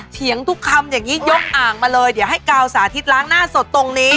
เถียงทุกคำอย่างนี้ยกอ่างมาเลยเดี๋ยวให้กาวสาธิตล้างหน้าสดตรงนี้